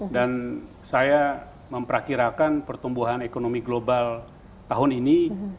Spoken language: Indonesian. dan saya memperkirakan pertumbuhan ekonomi global tahun ini